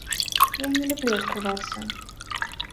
Я не люблю адкрывацца.